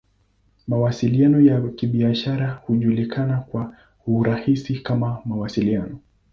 Mawasiliano ya Kibiashara hujulikana kwa urahisi kama "Mawasiliano.